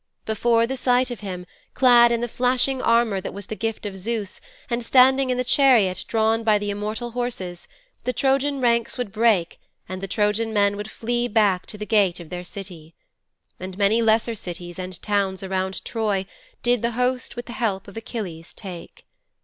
Before the sight of him, clad in the flashing armour that was the gift of Zeus and standing in the chariot drawn by the immortal horses, the Trojan ranks would break and the Trojan men would flee back to the gate of their city. And many lesser cities and towns around Troy did the host with the help of Achilles take.